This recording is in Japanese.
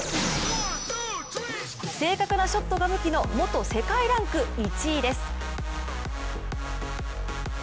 正確なショットが武器の元世界ランク１位です。